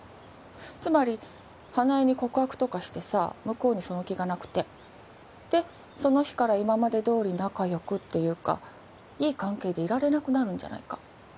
つまり花枝に告白とかしてさ向こうにその気がなくてでその日から今までどおり仲よくっていうかいい関係でいられなくなるんじゃないか